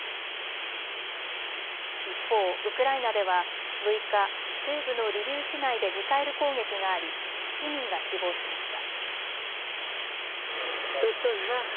一方、ウクライナでは６日西部のリビウ市内でミサイル攻撃があり７人が死亡しました。